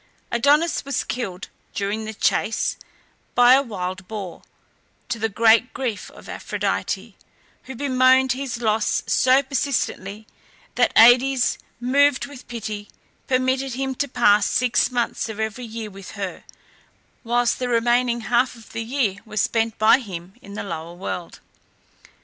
Adonis was killed, during the chase, by a wild boar, to the great grief of Aphrodite, who bemoaned his loss so persistently that Aïdes, moved with pity, permitted him to pass six months of every year with her, whilst the remaining half of the year was spent by him in the lower world.